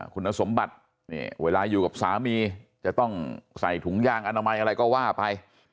คุณสมบัติเวลาอยู่กับสามีจะต้องใส่ถุงยางอนามัยอะไรก็ว่าไป